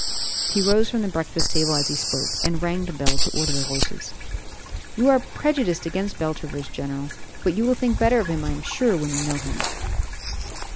He rose from the breakfast table as he spoke, and rang the bell to order the horses. "You are prejudiced against Beltravers, general; but you will think better of him, I am sure, when you know him."